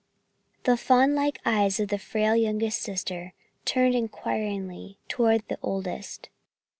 The fawn like eyes of the frail, youngest sister turned inquiringly toward the oldest.